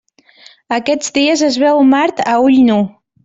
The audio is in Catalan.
Aquests dies es veu Mart a ull nu.